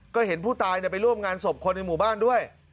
ก็เห็นผู้ตายไปร่วมงานศพคนในหมู่บ้านด้วย